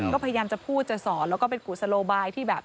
ก็พยายามจะพูดจะสอนแล้วก็เป็นกุศโลบายที่แบบ